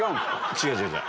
違う違う違う。